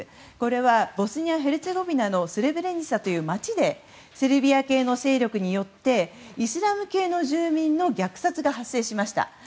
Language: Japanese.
これはボスニア・ヘルツェゴビナのスレブレニツァという街で、セルビア系の勢力によってイスラム系の住民の虐殺が発生しました。